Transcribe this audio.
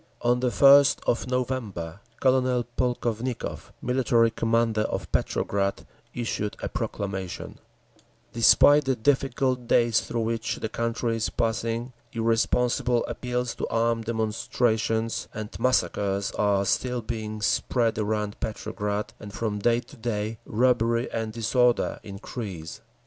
On the first of November Colonel Polkovnikov, Military Commander of Petrograd, issued a proclamation: Despite the difficult days through which the country is passing, irresponsible appeals to armed demonstrations and massacres are still being spread around Petrograd, and from day to day robbery and disorder increase.